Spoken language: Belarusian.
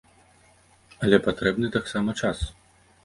Але патрэбны таксама час.